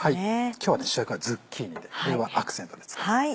今日は主役はズッキーニでこれはアクセントでつけます。